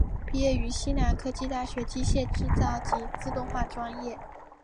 毕业于西南科技大学机械制造及自动化专业。